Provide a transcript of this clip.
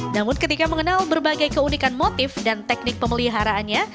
namun ketika mengenal berbagai keunikan motif dan teknik pemeliharaannya